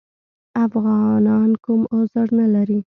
افغانان کوم عذر نه لري.